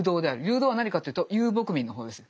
流動は何かというと遊牧民の方です。